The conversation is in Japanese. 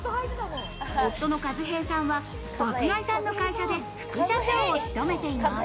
夫の和平さんは爆買いさんの会社で副社長を務めています。